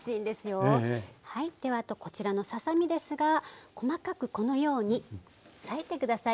ではあとこちらのささ身ですが細かくこのように裂いて下さい。